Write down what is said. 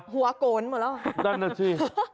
หัวกโกนหมดแล้ว